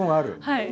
はい。